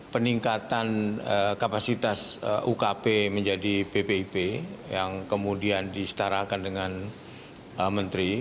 peningkatan kapasitas ukp menjadi bpip yang kemudian disetarakan dengan menteri